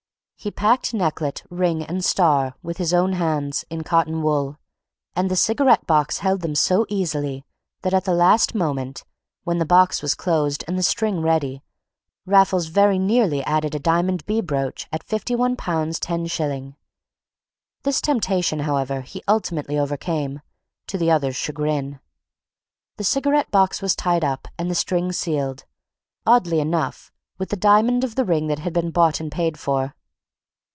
He packed necklet, ring, and star, with his own hands, in cotton wool; and the cigarette box held them so easily that at the last moment, when the box was closed, and the string ready, Raffles very nearly added a diamond bee brooch at £51 10s. This temptation, however, he ultimately overcame, to the other's chagrin. The cigarette box was tied up, and the string sealed, oddly enough, with the diamond of the ring that had been bought and paid for.